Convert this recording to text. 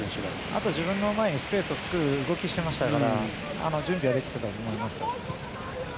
あとは自分の前にスペースを作る動きをしていましたから準備はできていたと思います。